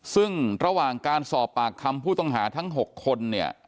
ซึ่งระหว่างการสอบปากคำผู้ต้องหาทั้ง๖คนเนี่ย